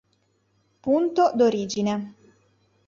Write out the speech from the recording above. Punto d'origine